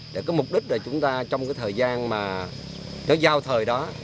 để có mục đích là chúng ta trong cái thời gian mà cái giao thời đó